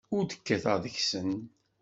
Ur d-kkateɣ deg-sen.